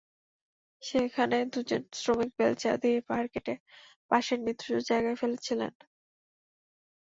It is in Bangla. সেখানে দুজন শ্রমিক বেলচা দিয়ে পাহাড় কেটে পাশের নিচু জায়গায় ফেলছিলেন।